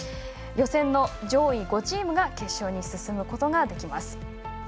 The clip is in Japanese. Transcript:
予選の上位５チームが決勝に進むことができます。